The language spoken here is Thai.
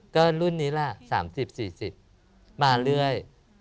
ก็รุ่นนี้แหละ๓๐๔๐มาเรื่อย